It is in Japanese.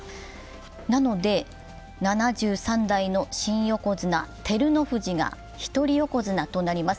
なので７３代の新横綱・照ノ富士が一人横綱となります。